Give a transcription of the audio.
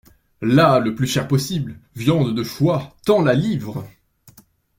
Là, le plus cher possible, viande de choix, tant la livre !…